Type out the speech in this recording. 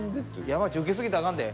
山内ウケ過ぎたらあかんで。